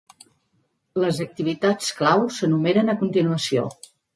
Les activitats clau s'enumeren a continuació.